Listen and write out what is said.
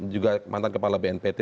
juga mantan kepala bnpt